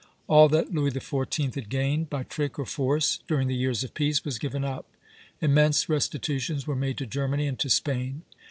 All that Louis XIV. had gained by trick or force during the years of peace was given up. Immense restitutions were made to Germany and to Spain.